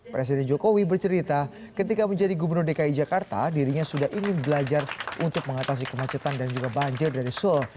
presiden jokowi bercerita ketika menjadi gubernur dki jakarta dirinya sudah ingin belajar untuk mengatasi kemacetan dan juga banjir dari seoul